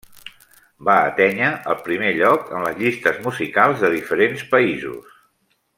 Va atènyer el primer lloc en les llistes musicals de diferents països.